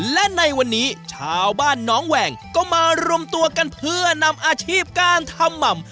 และในวันนี้ชาวบ้านน้องแหวงก็มารวมตัวกันเพื่อนำอาชีพการทำหม่ำ